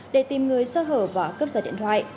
để tìm người sơ hở và cướp giật điện thoại